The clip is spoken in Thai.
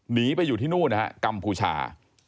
หนีไปอยู่ที่นู่นนะฮะกัมพูชา